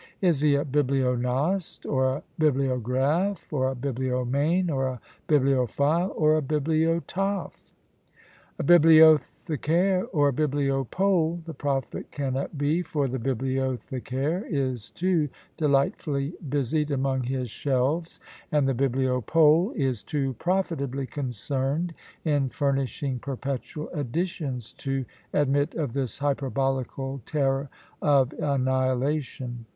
Is he a bibliognoste, or a bibliographe, or a bibliomane, or a bibliophile, or a bibliotaphe? A bibliothecaire, or a bibliopole, the prophet cannot be; for the bibliothecaire is too delightfully busied among his shelves, and the bibliopole is too profitably concerned in furnishing perpetual additions to admit of this hyperbolical terror of annihilation!